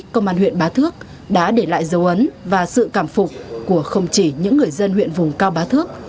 công an huyện bá thước đã để lại dấu ấn và sự cảm phục của không chỉ những người dân huyện vùng cao bá thước